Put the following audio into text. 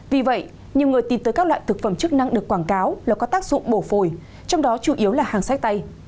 vì vậy nhiều người tìm tới các loại thực phẩm chức năng được quảng cáo là có tác dụng bổ phổi trong đó chủ yếu là hàng sách tay